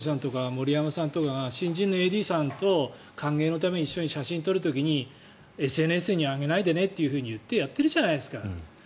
だって、我々も僕と羽鳥さんとか森山さんとかが新人のＡＤさんと歓迎のために一緒に写真を撮る時にＳＮＳに上げないでねって言ってやってるじゃないですか。